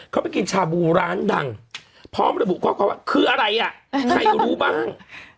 เขาไปกินชาบูร้านดังพร้อมระบุข้อความว่าคืออะไรอ่ะใครรู้บ้าง